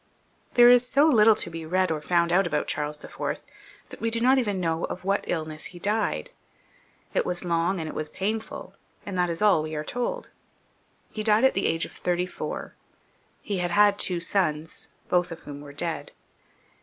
There is so little to be read or found out about Charles IV., that we do not even know of what illness he died. It was long and it was painful, and that is aU we are told. He died at the age of thirty four. He had had two sons, both of whom were dead.